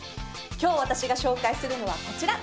今日私が紹介するのはこちら！